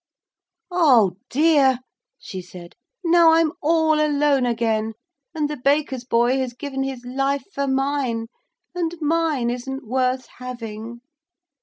'Oh, dear!' she said, 'now I'm all alone again, and the baker's boy has given his life for mine, and mine isn't worth having.'